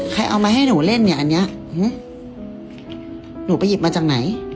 เอามาให้หนูเล่นเนี่ยอันนี้หนูไปหยิบมาจากไหน